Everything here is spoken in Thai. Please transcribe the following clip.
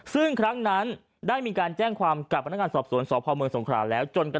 พวกนี้และ